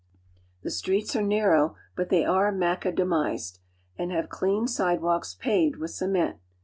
The streets are narrow, but they are macadamized, and have clean sidewalks paved with cement.